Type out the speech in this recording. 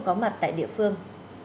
có mặt tại địa phương